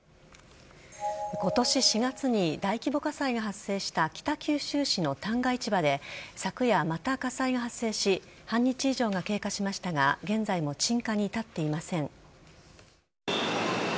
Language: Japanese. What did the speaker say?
今年４月に大規模火災が発生した北九州市の旦過市場で昨夜また火災が発生し半日以上が経過しましたが現在も鎮火に至っていません。